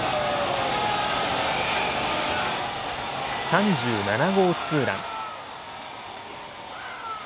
３７号ツーラン。